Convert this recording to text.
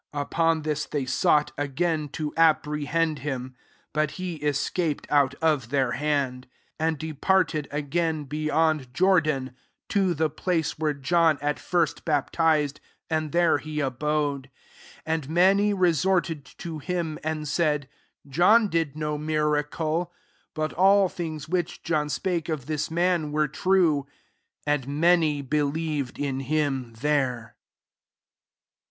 f 39 Upon this they sought agtun to apprehend him : but ^e escaped out of their hand ; to and departed, again, beyond Jordan, to the place where John at first baptized : and there he abode. 41 And many resorted to him, and said, " John did no miracle : but all things which John spake of this man were true." 42 And many believed in him there.